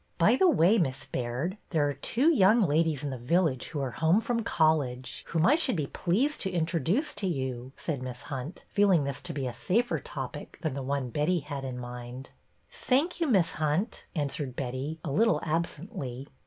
" By the way. Miss Baird, there are two young ladies in the village who are home from college whom I should be pleased to introduce to you," said Miss Hunt, feeling this to be a safer topic than the one Betty had in mind. " Thank you. Miss Hunt," answered Betty, a little absently.